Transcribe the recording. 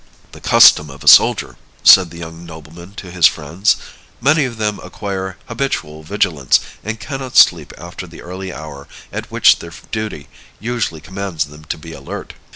"The custom of a soldier," said the young nobleman to his friends; "many of them acquire habitual vigilance, and cannot sleep after the early hour at which their duty usually commands them to be alert."